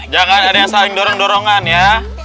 jangan ada yang saling dorong dorongan ya